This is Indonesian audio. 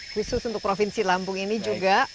khusus untuk provinsi lampung ini juga